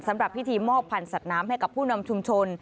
สำหรับพิธีมอบพันธ์สัตว์น้ำให้กับผู้นำชุมชน